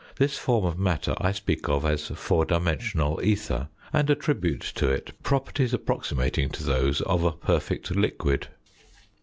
This form of matter I speak of as four dimensional ether, and attribute to it properties approximating to those of a perfect liquid.